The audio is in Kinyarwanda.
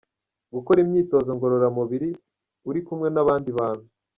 Gukora imyitozo ngororamubiri, uri kumwe n’abandi bantu.